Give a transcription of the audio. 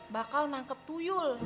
bakal nangkep tuh yul